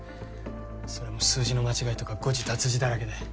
それも数字の間違いとか誤字脱字だらけで。